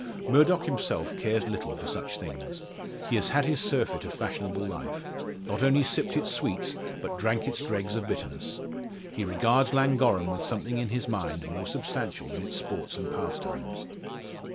Murdock himself cares little for such things. He has had his surfeit of fashionable life; not only sipped its sweets, but drank its dregs of bitterness. He regards Llangorren with something in his mind more substantial than its sports and pastimes.